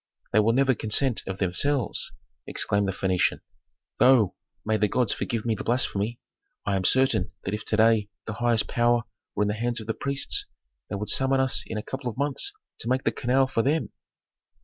"They will never consent of themselves!" exclaimed the Phœnician. "Though may the gods forgive me the blasphemy I am certain that if to day the highest power were in the hands of the priests they would summon us in a couple of months to make the canal for them."